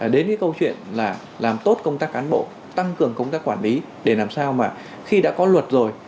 đến cái câu chuyện là làm tốt công tác cán bộ tăng cường công tác quản lý để làm sao mà khi đã có luật rồi